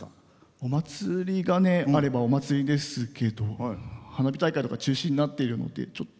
お祭りがあればお祭りですけど花火大会とか中止になっているのでちょっと。